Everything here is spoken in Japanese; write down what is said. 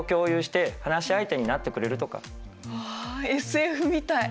ああＳＦみたい！